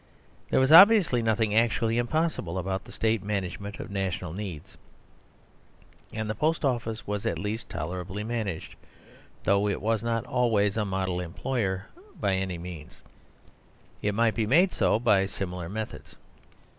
There was obviously nothing actually impossible about the State management of national needs; and the Post Office was at least tolerably managed. Though it was not always a model employer, by any means, it might be made so by similar methods.